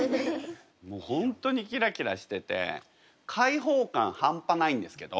もう本当にキラキラしてて解放感半端ないんですけど。